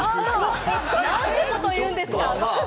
なんてこと言うんですか！